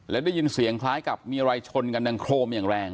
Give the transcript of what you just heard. และได้ยินเสียงคล้ายกับมีอะไรชนกันดังโครมอย่างแรง